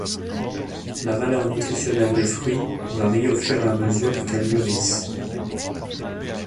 La valeur nutritionnelle des fruits varie au fur et à mesure qu’elles mûrissent.